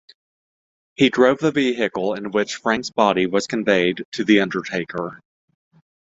He drove the vehicle in which Frank's body was conveyed to the undertaker.